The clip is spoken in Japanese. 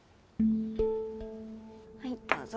はいどうぞ。